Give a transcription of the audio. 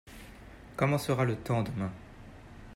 Comment sera le temps demain ?